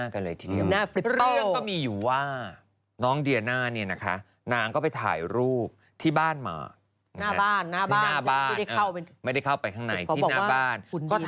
ก็นั่งไปกับผู้จัดการ